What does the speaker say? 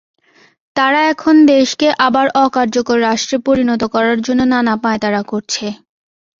তারা এখন দেশকে আবার অকার্যকর রাষ্ট্রে পরিণত করার জন্য নানা পাঁয়তারা করছে।